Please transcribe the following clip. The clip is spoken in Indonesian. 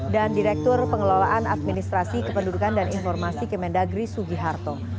dan direktur pengelolaan administrasi kependudukan dan informasi kemendagri sugi harto